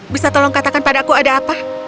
bisa tolong katakan padaku ada apa